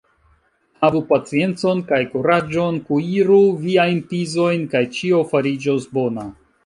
Havu paciencon kaj kuraĝon, kuiru viajn pizojn, kaj ĉio fariĝos bona.